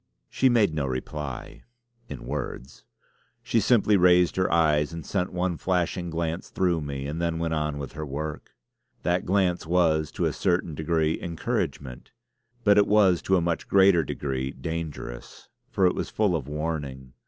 She made no reply in words. She simply raised her eyes and sent one flashing glance through me, and then went on with her work. That glance was to a certain degree encouragement; but it was to a much greater degree dangerous, for it was full of warning.